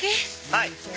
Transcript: ・はい。